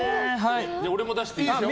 俺も出していいですか。